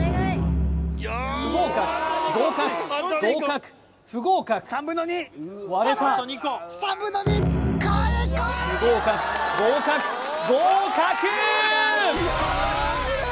不合格合格合格不合格割れた不合格合格合格！